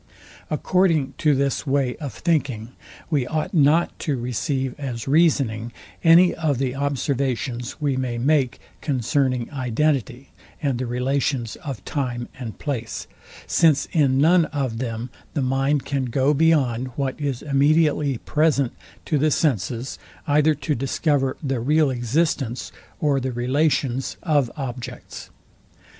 According to this way of thinking, we ought not to receive as reasoning any of the observations we may make concerning identity, and the relations of time and place; since in none of them the mind can go beyond what is immediately present to the senses, either to discover the real existence or the relations of objects.